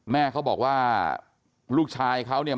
แม่เขาบอกว่าลูกชายเขาเนี่ย